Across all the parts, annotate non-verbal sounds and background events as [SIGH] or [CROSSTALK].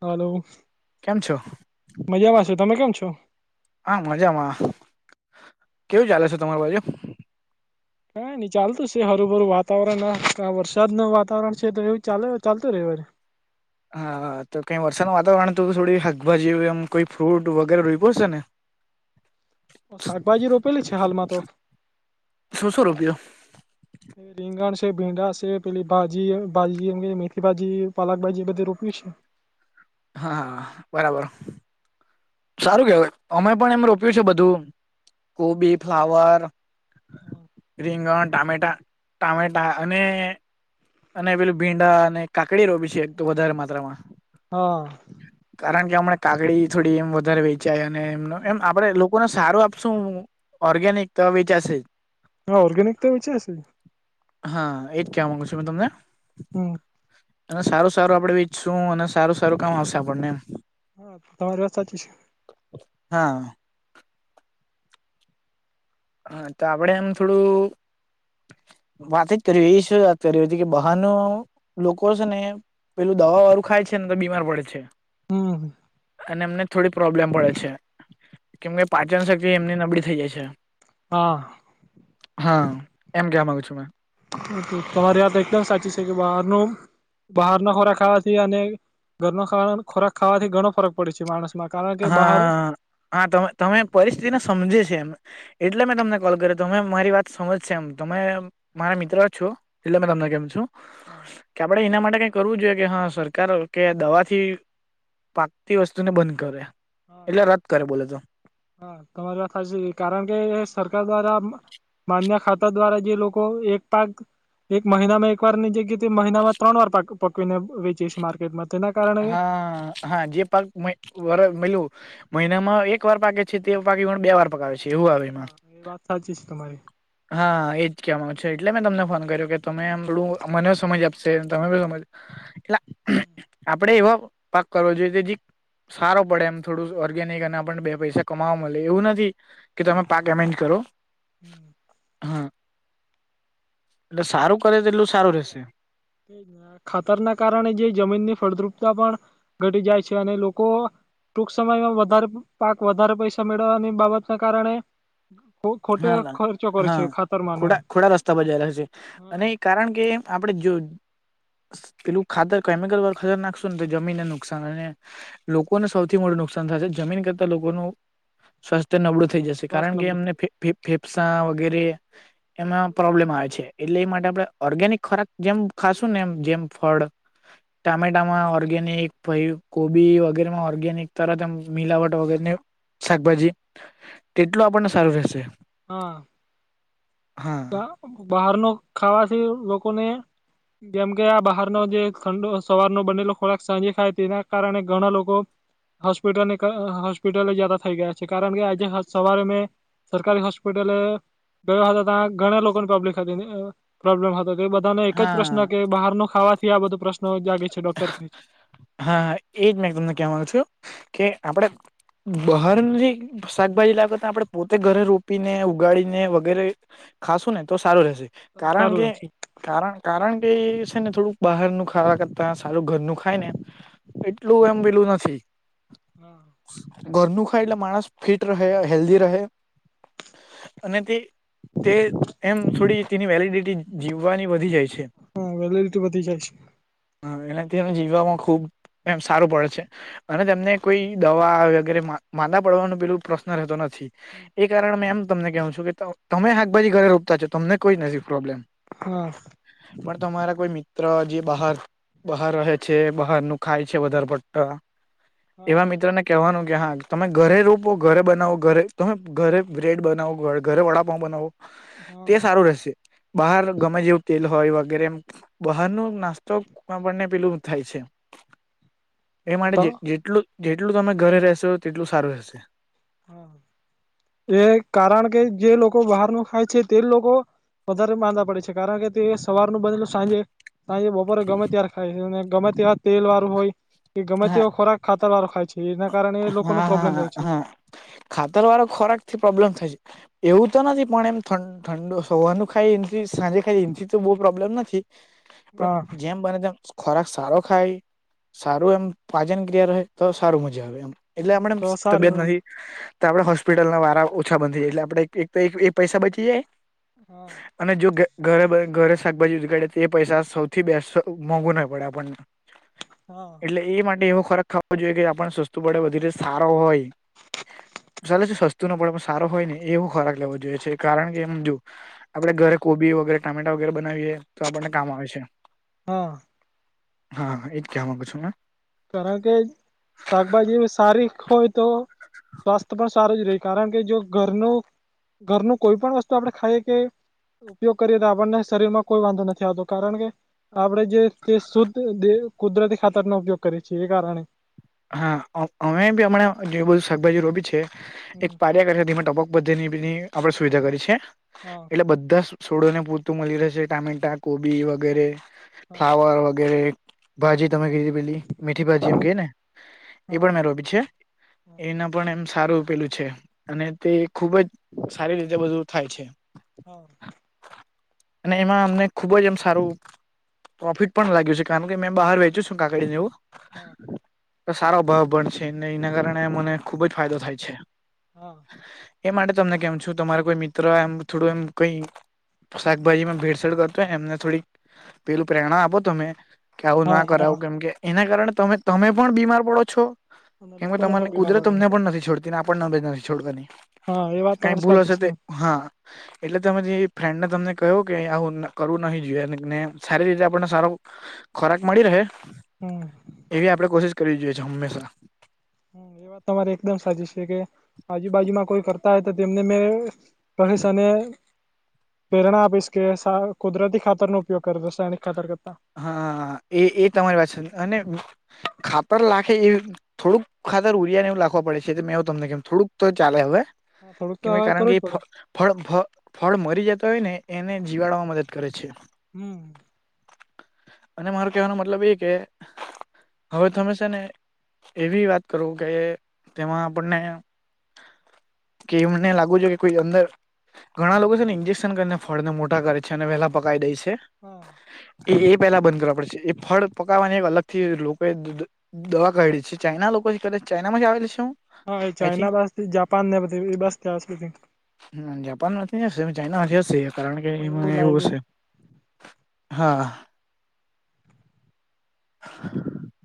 હાલો કેમ છો? મજામાં છું તમે કેમ છો? હા મજામાં કેવું ચાલે છે તમાર બાજુ. કઈ નઈ ચાલતું છે હરુભરું આ વાતાવરણ વરસાદ નું વાતાવરણ છે તો એવું ચાલે ચાલતું રેય વરી હા તો કઈ વરસાદનું વાતાવરણ તો થોડી શાકભાજી એમ કોઈ ફ્રૂટ વગેરે રોઈપૂ હશે ને [INAUDIBLE] શાકભાજી રોપેલી છે હાલમાં તો. શું શું રોપ્યું [INAUDIBLE] રીંગણ છે ભીંડા છે પેલી ભાજી ભાજી એમ કેય મેથી ભાજી પાલક ભાજી બધી રોપેલી છે હા, હા બરાબર. સારું કેવાય અમે પણ એમ રોપ્યું છે બધું કોબી ફ્લાવર રીંગણ ટામેટા ટામેટા અને અને પેલું ભીંડા અને કાકડી રોપી છે એક તો વધારે માત્રામાં હા કારણ કે હમણા કાકડી થોડી એમ વધારે વેચાય અને એમ એમ આપડે લો કોને સારું આપશું ઓર્ગેનિક વેચાશે ઓર્ગેનિકતો વેચાશે હા એજ કેવા માંગુ છું મે તમને હમ અને સારું સારું આપડણે વીચશું અને સારું સારું કામ આવશે આપણને એમ હા તમારી વાત સાચી છે. હા હા તો આપડે આમ થોડું વાત જ કર એ શું વાત કર હતી કે બહારનું લોકો છે ને પેલું દવા વાળું ખાય છે ને તો બીમાર પડે છે. હમ અને એમને થોડી પ્રોબ્લેમ પડે છે. કેમ કે પાચન શક્તિ એમની નબળી થઇ જાય છે. હા હા એમ કેવા મામાંગુ છું મેં તમારી યાત એકદમ સાચી છે કે બહારનુ બહારનો ખોરાક ખાવાથી અને ઘરનો ખોરાક ખાવાથી ઘણો ફરક પડે છે, માણસ હા હા તમે તમે પરિસ્થિતિને સમજે છે, એમ એટલે મેં તમને કોલ કર્યો તમે મારી વાત સમજશે એમ તમે મારા મિત્ર છો એટલે મે તમને કેમ છું. હા કે આપણેે એના માટે કઈ કરવું જોઈએ કે હા સરકાર કે દવાથી પાકતી વસ્તુ ને બંધ કરે એટલે રદ કરે બોલે તો હા તમારી વાત સા કારણ કે સરકાર દ્વારા માન્ય ખાતા દ્વારા જે લોકો એક પાક એક મહિનામાં એક વાર ની જગ્યા મહિનામાં ત્રણ વાર પકવીને વેચી છે, માર્કેટમાં તેના કારણે હા હા જે પાક વલું મહિનામાં એક વાર પાકે છે તે પાક બે વાર પકાવે છે. જેવું આવે હા એમાં એ વાત સાચી છે તમારી હા એજ કહેવા ગુ છે એટલે મેં તમને ફોન કર્યો કે તમે હમણું મને સમજ આપશે તમે બી સમજ એટલે આપડે એવાો પાક કરવો જોઈએ કે જે સારો પડે એમ થોડું ઓર્ગેનિક અને આપણને બે પૈસા કમાવા મળે એવું નથી. કે તમે પાક અમેન્જ કરો હમ. હા એટલે સારું કરે તો એટલું સારું રહેશે. ખાતરના કારણે જે જમીનની ફળદ્રુપતા પણ ઘટી જાય છે અને લોકો. ટૂંક સમયમાં વધારે પાક વધારે પૈસા મેળવવાની બાબતના કારણે ખો ખોટે હા ખર્ચો કરે હા છે ખાતરમાંને એમ ખોડા ખોડા રસ્તા પરજયેલા છે, હા અને કારણ કે આપણે જો પેલું ખાતર કેમિકલ વાર ખતર નાખશો ને તો જમીનને નુકસાન અને લોકોને સૌથી મોટું નુકસાન થાય છે જમીન કરતા લોકોનું સ્વાસ્થ્ય નબળું થઈ જશે બસ કારણ કે અમને ફેફસા વગેરે એમાં પ્રોબ્લેમ આવે છે એટલે એ માટે આપડણે ઓર્ગેનિક ખોરાક જેમ ખાશું ને એમ જેમ ફળ ટામેટામાં ઓર્ગેનિક ભ કોબી વગેરેમાં ઓર્ગેનિક તરત મિલાવટ વગરે શાકભાજી તેટલું આપણને સારું રહેશે. હા હા બહાર ન ખાવાથી લોકોને જેમ કે આ બહારનો જે ઠંડ સવાર ન બનેલો ખોરાક સાંજે ખાય તેના કારણે ઘણા લોકો હોસ્પિટલને હોસ્પિટલ જદા થઈ ગયા છે કારણ કે આજે સવારે મેં સરકારી હસ્પિટલ વવાર ઘણા લોકોની પબ્લિક હતી પ્રોબ્લેમ હતો તે બધાને એક જ હા પ્રશ્ન કે બહાર નો ખાવાથી આ બધો પ્રશ્ન જાગે છે ડોક્ટર કહે છે. હા હા એજ મેં તમને કહેવાનું છું કે આપણે બહાર જે શાકભાજી લાવે તો આપડણે પોતે ઘરે રોપીને ઉગાડીને વગેરે ખાશું ને તો સારું રહેશે. કારણ સારું કે રહેશે કારણ કારણ કે એ છે ને થોડુંક બહારનું ખાવાતા તા સારું ઘરનું ખાય ને એટલું એમ પેલું નથી. હા ઘરનું ખાય એટલે માણસ ફિટ રહે હેલ્ધી રહે અને તે તે એમ થોડી તેની વેલિડિટી જીવવાની વધી જાય છે. હા વેલલિટી વધી જાય છે. હા એનાથી એને જીવવામાં ખુબ એમ સારું પડે છે. અને તેમને કોઈ દવા વગેરે માંદા પડવાનું પેલું પ્રશ્ન રહેતો નથી. હમ એ કારણે મે એમ તમને કહવું છું કે ત તમે હાકભાજી ઘરે રોપતા છો તમને કોઈ નથી પ્રોબ્લેમ. હા પણ તમારા કોઈ મિત્ર જે બહાર બહાર રહે છે બહાર નું ખાય છે વધારે પડતાં હા એવા મિત્રને કહેવાનું કે હા તમે ઘરે રોપો ઘરે બનાવો ઘરે તમે ઘરે બ્રેડ બનાવો ઘરે વડાપઉ બનાવો હા તે સારું રહેશે બહાર ગમે જેવું તેલ હોય વગેરે એમ બહારનું ના સ્તો આપણને પેલું થાય છે એ હા માટે તો જેટલું જેટલું તમે ઘરે રહેશો તેટલું સારું રહેશે. હા [INAUDIBLE] એ કારણ કે જે લોકો બહારનું ખાય છે તે લોકો વધારે માંદા પડે છે કારણ કે તે સવારનું બનેલુ એ સાંજે સાંજે બપોરે ગમે ત્યારે ખાય છે અને ગમે ત્યારે તેલ વાળું હોય. કે ગમે હા તેવો ખોરાક ખાતર વાળો ખાય છે, એના કારણે લોકોને પ્રોબ્લેમ હા હા થાય છે. હા ખાતર વાળો ખોરાક થી પ્રોબ્લેમ થાય છે એવું તો નથી પણ એમ ઠ ઠંડુ સવારનું ખાય એથી સાંજે ખાય એથી તો બહુ પ્રોબ્લેમ નથી પણ હા જેમ બને તેમ ખોરાક સારો ખાય સારું એમ પાજન ક્રિયા ર તો સારું મજા આવે એમ એટલે હમણા એમ તો તબિયત સારી નથી તો આપડે હોસ્પિટલ ના વારા ઓછા બંધ થ જાય એટલે આપડે એક તો પૈસા બચી જાય હા અને જો ઘરે ઘરે શાકભાજી ઉગાડે તો એ પૈસા સૌથી બેસ મોંઘુ નાહી પડે આપણને [INAUDIBLE] હા એટલે એ માટે એવો ખોરાક ખાવો જોઈએ કે આપણે સસ્તુ પડે વધીરે સારો હોય ચાલે સસ્તું ન પડે પણ સારો હોય ને એવું ખોરાક લેવો જોઈએ છે કારણ કે એ જો આપડે ઘરે કોબી વગેરે ટામેટા વગેરે બનાવીએ તો આપણને કામ આવે છે. હા હા એ જ કેવા માંગુ છું મેં. કારણ કે શાકભાજી સારી હોય તો સ્વાસ્થ્ય પણ સારું જ રહે કારણ કે જો ઘરનું ઘરનું કોઈ પણ વસ્તુ આપડે ખાઈએ કે ઉપયોગ કરીએ તો આપણને શરીર માં કોઈ વાંધો નથી આવતો કારણ કે આપણે જે તે શુદ્ધ દે કુદરતી ખાતરનો ઉપયોગ કરીએ છે એ કારણે હા અમે બી હમણાં જે બધું શાકભાજી રોબી છે હમ એક પ્યા કર ધીમે ટોપક બધીની બની આપણે સુવિધા કરી છે. હા એટલે બધા છોડો ને પૂરતું મળી રહેશે ટામેટા કોબી વગેરે હા ફ્લાવર વગેરે ભાજી તમે કીધી પેલી મીઠી ભાજી એમ કેય ને એ હા પણ મે રોબી છે એના પણ એમ સારું એવું પેલું છે અને તે ખુબ જ સારી રીતે બધું થાય છે. હ અને એમાં અમને ખુબ જ એમ સારું પ્રોફિટ પણ લ્યું છે કારણ કે મેં બહાર વેચ્યું છું કાકડીનેવું હા તો સારો ભાવ પણ છે ને એના કારણે મને ખુબ જ ફાયદો થાય છે. હા એ માટે તમને કેમ છું તમારે કોઈ મિત્ર એમ થોડું એમ કઈ શાકભાજીમાં ભેળસેળ કરતોય એમને થોડીક પેલું પ્રેરણા આપો તો તમે. કે આવું હા ના હા કરાવું કેમ કે એના કારણે તમે તમે પણ બીમાર પડો છો અને કેમ કે લોકોને તમાને પણ બીમાર કુદરત પડે તમને પણ નથી છોડતીને નથી છોડવાની. હા એ વાત કઈ તમારી સાચી ભૂલશે છે તે હા એટલે તમે જે ફ્રેન્ડને તમને કહ્યો કે આવું કરવું નહીિ જોઈએને સારી રીતે આપણને સારો ખોરાક મળી રહે હમ્મ. એવી આપડણે કોશિશ કરવી જોઈએ છીએ હંમેશા. હમ એ વાત તમારે એકદમ સાચી છે કે આજુબાજુમાં કોઈ કરતા હોય તો તેમને મેં [UNINTELLIGIBLE] પ્રેરણા આપીશ કુદરતી ખાતરનો ઉપયોગ કર રાસાયણિક ખાતર્ હા એ એ તમારી પાછ અને ખાતર લાખે એ થોડુંક ખાર ઉરિયા ને એવું લખવા પડે છે મે એવ તમને કેમ થોડુંક તો ચાલે હવે. હા થોડુંક તો કેમ હવે કારણ કરવું કે જ પડે ફળ ફ ફળ મરી જતા હોય ને એને જીવાડવામાં મદદ કરે છે. હમ્મ. અને મારો કેહેવાનો મતલબ એ કે હવે તમે છે ને એવી વાત કરું કે તેમાં આપણને કે એમને લાગવ છે કે કોઈ અંદર ઘણા લોકો છે ને ઇન્જેક્શન કરીને ફળ ને મોટા કરે છે અને વેલા પકાવી દે છે. હા. એ એ પહેલા બંધ કરવા પડે છે એ ફળ પકાવવાને એક અલગ થી લોકો દવા કાઢી છે ચાાઈના લોકો છે ચાાઈનામાં જ આવેલી છે શું? હા એ ચાઈના બસ જાપાન ને એ બસ. જાપાન નથી જશે ચાાઈનામાં હશે કારણ કે એમાં એવું હશે. હા. હ [UNINTELLIGIBLE]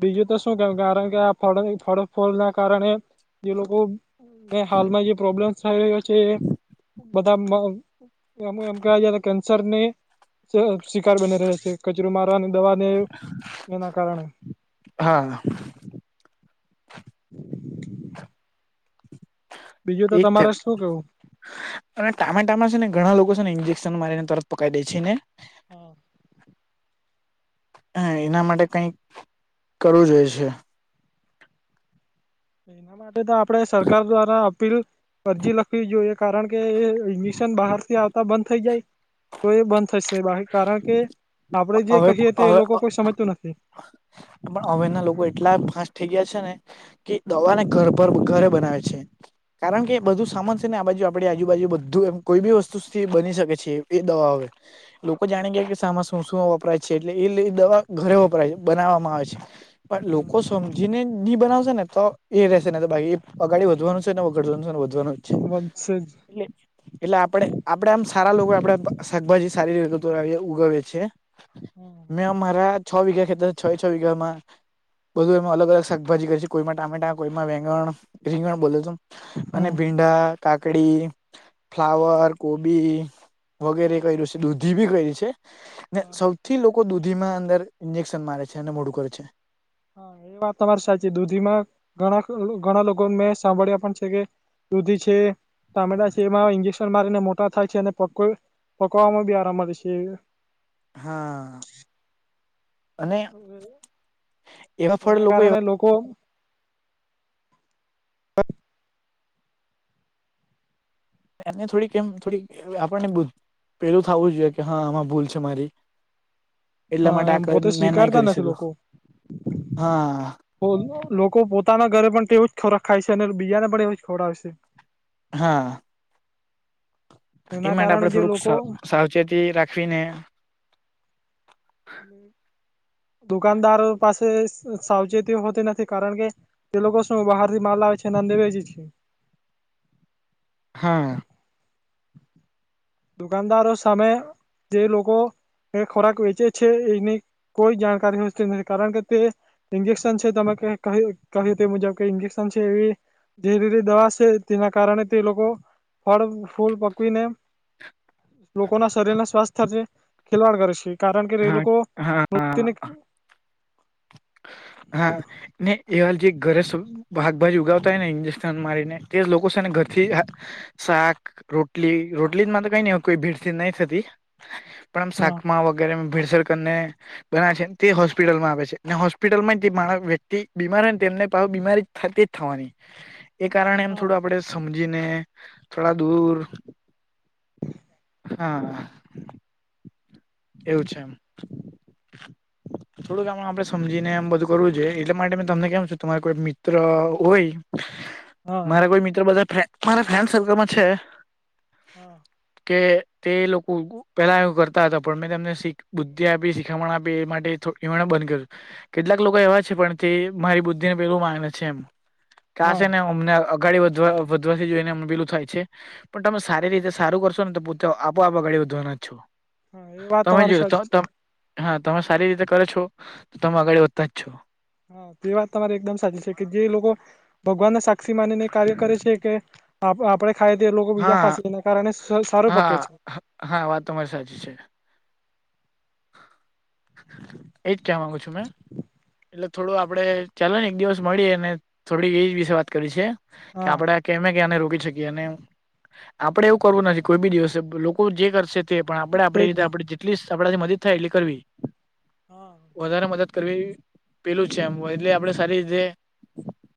બીજું તો શું કે કારણ કે આ ફળ ફળ ફળ ના કારણે જે લોકો મે હાલમાં જે પ્રોબ્લેમ્ થઈ રહ્યો છે બધા એમ ક કેન્સર ને શિકાર બની રહે્યા છે કચરોમાં. કરવાની દવા એના કારણે. હા. [INAUDIBLE] બીજું તો એજ તે તમારે શું કેવું? અને ટામેટામે છે ને ઘણા લોકો છે ને ઇન્જેક્શન મારીને તરત પકાવી દે છે ને- હા. હ એના માટે કઈક કરવું જોય છે. એના માટે તો આપડણે સરકાર દ્વારા અપીલ અરજી લખવી જોઈએ. કારણ કે ઇન્જેક્શન બહાર થી આવ બંધ થઈ જાય તો એ બંધ થશે બાકી કારણ કે આપડે જે હવે કહીએ તે એ હવે લોકો કોઈ સમજતું નથી. પણ હવે ના લોકો એટલા ફાસ્ટ થઈ ગયા છે ને કે દવાને ઘર પર ઘરે બનાવે છે કારણ કે બધું સામાન ને આ બાજુ આપણી આજુબાજુ બધું એમ કોઈ બી વસ્તુથી બની શકે છે એ દવા હવે. લોકો જાણી ગયા કે સાામાં શું શું વપરાય છે એટલે એ દવા ઘરે વપરાય છે બનાવવામાં આવે છે. પણ લોકો સમજીને બનાવશે ને તો એ રશે ને તો અગાડી વધવાનું છે ને વગડવાનું છેને વધવાનું. જ છે બનશે જ. એટલે એટલે આપણે આપડે આમ સારા લોકો આપડે શાકભાજી સારી રીતે ઉગવે છે. હમ્મ. મેં અમારા છ વીઘા ખેતા છે, છ છ વીઘા માં બધું એમાં અલગ અલ શકભાજી કર કરી છે કોઈમા ટામેટા, કોઈમાં વેંગણ રીંગણ બોલે ત અને ભીંડા કાકડી, ફ્લાવર, કોબી વગેરે કર્યું છે, દૂધી બી કરીયું છે. ને હા સૌથી લોકો દૂધીમાં અંદર ઇન્જેક્શન મારે છે અને મોડું કર છે. હા એ વાત તમારી સાચી, દૂધીમાં ઘણા ઘણા લોકો મેં સાંભળ્યા પણ છે કે દૂધી છે, ટામેટા છે એમાં ઇન્જેક્શન મારીને મોટા થાય છે અને પક્કો પકવામાં બી આરામ છે. હા અને એવા ફળ એના લોકો કારણે લોકો એને થોડી કેમ થોડી આપણને પેલું થવું જોઈએ કે હા આમાં ભૂલ છે મારી. એટલા હા માટે એમ પોતે આ મેં નહી સ્વીકારતા કરી નથી શક્યું. લોકો. હા. લોકો પોતાના ઘરે પણ તેવું જ ખોરાક ખાય છે અને બીજાને પણ એવું જ ખોડાવ છે. હા. એ એના માટે કારણે આપડે જે થોડુંક લોકો સાવચેતી રાખવીને દુકાનદારો પાસે સાવચેતી હોતી નથી કારણ કે તે લોકો સે બહારથી માલા આવે છે એ ના નેવે જ છે. હા. દુકાનદારો સામે જે લોકો ખોરાક વેચે છે એની કોઈ જાણકારી હોતી નથી. કારણ કે તે ઇન્જેક્શન છે તમે કે કહ્યું તે મુજબ કે ઇન્જેક્શન છે એ જે રીતની દવા છે તેના કારણે તે લોકો ફળ, ફૂલ પકવીને લોકો ના શરીર ના સ્વાસ્થ્ય ખેલવાડ કરે છે કારણ કે એ હા લોકો હા મૃત્યુને હા ને એવા જે ઘરે સુ ભાકભાજી ઉગાવતા હો ને ઇન્જેક્શન મારીને તે જ લોકો છે ને ઘર થી જ આ શાક, રોટલી, રોટલીમાં તો કઈ ન કોઈ ભીડથીડ નહી થતી. પણ આમ હા શાકમા વગેરે ભીડસર કરીને ગણા છેને તે હોસ્પિટલમાં આવે છે. અને હોસ્પિટલ માં જે માણ વ્યક્તિ બીમાર હોય ને તેમને પહુ બીમારી થટી તેજ થવાની. એ કારણે એમ હા થોડું આપડે સમજીને, થોડા દૂર હા. એવું છેમ. થોડુંક આપડ સમજીને એમ બધું કરવું છે એટલા માટે મે તમને કેમ છ તમારે કોઈ મિત્ર હોય હા મારા કોઈ મિત્ર બધા મારા ફ્રેન્ડ સર્કલમાં છે. હા. કે તે લોકો પેલા એવું કરતા હતા પણ મેં તમને બુદ્ધિ આપી, શીખામણ આપી એ માટે બંધ કર્યું. કેટલાક લોકો એવા છે પણ તે મારી બુદ્ધિ ને પેલું માગને છે એમ કે હા આશે ને અમને અગાડી વધવા વધવાથી જોઈને અમ બીલું થાય છે પણ તમે સારી રીતે સારું કરશો ને તો આપોઆપ અગાડી વધવાના જ છો. હા એ વાત તમે તમારી જો તો સાચી છે ત હા તમે સારી રીતે કરો છો તો તમે આગળ વધતા જ છો. હા તે વાત તમારે એકદમ સાચી છે કે જે લોકો ભગવાન ના સા [UNINTELLIGIBLE] ની કાર્ય કરે છે કે આપ આપણે ખાય તે લોકો બીજયા હા ખાશે એના કારણ એ સ સારું પક્વે હા છે. હા વાત તો મારી સાચી છે. એજ કેવા માંગુ છું મેં. એટલે થોડું આપડે ચલે ને એક દિવસ મળી અને થોડી એજ વિશે વાત કરી છે, કે હા આપડે કેમે ક્યાને રોકી શકીએ અને આપડે એવું કરવું નથી કોઈ બી દિવસે લોકો જે કરશે પણ આપડે આપડી તેજ રીતે ને આપણે જેટલી, આપડાથી મદદ થાય એટલી કરવી હા વધારે મદદ કરવી પેલું છે, એમ એટલે આપડે સારી રીતે